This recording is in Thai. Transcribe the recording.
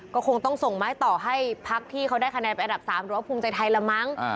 ก็คงต้องส่งไม้ต่อให้พักที่เขาได้คะแนนไปอันดับ๓หรือว่าภูมิใจไทยละมั้ง